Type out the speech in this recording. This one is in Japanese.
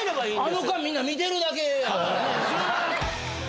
あの間みんな見てるだけやからね。